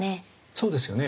そうですよね。